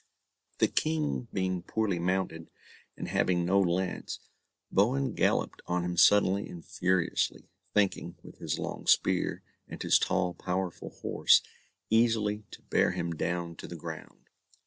The King being poorly mounted, and having no lance, Bohun galloped on him suddenly and furiously, thinking, with his long spear, and his tall, powerful horse, easily to bear him down to the ground.